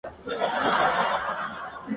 La primera es si un par columna-variable"t".